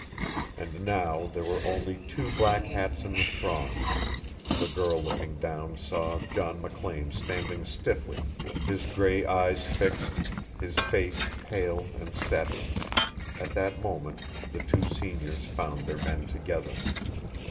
And now there were only two black hats in the throng; the girl looking down saw John McLean standing stiffly, his gray eyes fixed, his face pale and set; at that moment the two seniors found their men together.